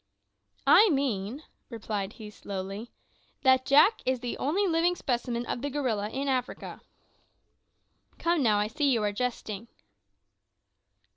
"I mean," replied he slowly, "that Jack is the only living specimen of the gorilla in Africa." "Come, now, I see you are jesting."